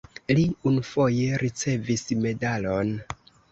Li unufoje ricevis medalon.